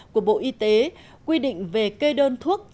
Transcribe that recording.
của bộ y tế quy định về kê đơn thuốc